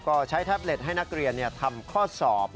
ก็ใช้แท็บเล็ตให้นักเรียนทำข้อสอบ